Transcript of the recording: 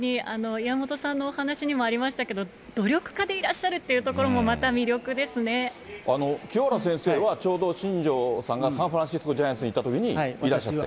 岩本さんのお話にもありましたけど、努力家でいらっしゃるという清原先生は、ちょうど新庄さんがサンフランシスコジャイアンツにいたときにいらっしゃって。